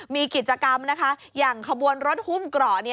มีกิจกรรมนะคะอย่างขบวนรถหุ้มกร่อเนี่ย